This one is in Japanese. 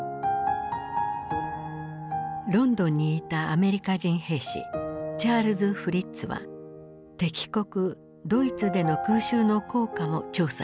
ロンドンにいたアメリカ人兵士チャールズ・フリッツは敵国ドイツでの空襲の効果も調査していた。